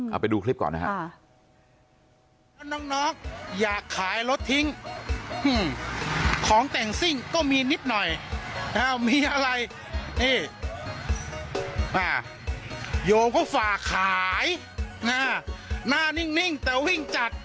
เอาไปดูคลิปก่อนนะฮะ